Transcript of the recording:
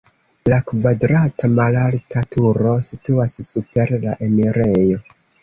La kvadrata malalta turo situas super la enirejo.